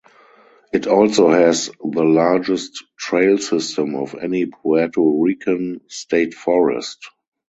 It also has the largest trail system of any Puerto Rican state forest.